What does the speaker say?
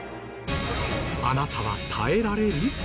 あなたは耐えられる？